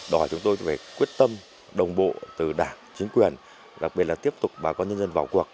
đòi chúng tôi phải quyết tâm đồng bộ từ đảng chính quyền đặc biệt là tiếp tục bà con nhân dân vào cuộc